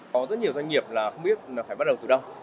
có rất nhiều doanh nghiệp không biết phải bắt đầu từ đâu